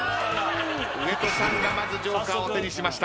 上戸さんがまずＪＯＫＥＲを手にしました。